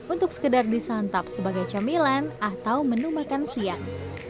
untuk sekedar disantap sebagai camilan atau menu makan siang